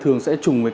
thường sẽ chùng với cả